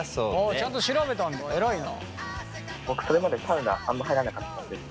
あちゃんと調べたんだ偉いな。